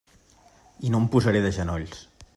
I no em posaré de genolls.